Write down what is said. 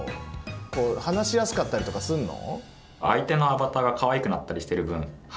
こう話しやすかったりとかすんの？